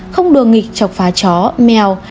không đùa nghịch chọc phá chó mèo